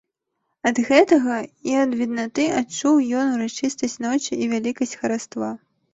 Ад гэтага і ад віднаты адчуў ён урачыстасць ночы і вялікасць хараства.